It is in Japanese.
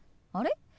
あれ？